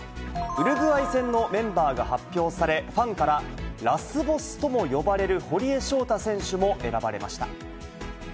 ウルグアイ戦のメンバーが発表され、ファンからラスボスとも呼ばれる堀江翔太選手も選ばれました。